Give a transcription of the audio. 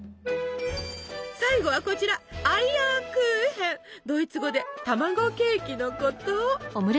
最後はこちらドイツ語で「卵ケーキ」のこと。